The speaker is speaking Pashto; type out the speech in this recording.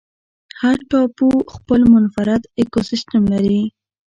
هر ټاپو خپل منفرد ایکوسیستم درلود.